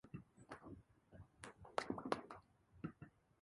探索を再開して二日ほど経ったとき、君から提案があった。「林に行ってみない？」